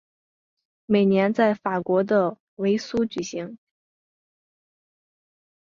每年在法国的维苏举办。